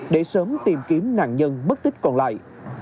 để sớm tìm kiếm nạn nhân mất tích còn lại